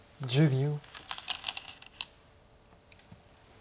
１０秒。